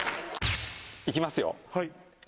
行きますよ。